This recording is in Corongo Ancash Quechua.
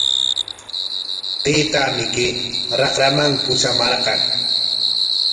Taytaami chay raqraman pushamarqan.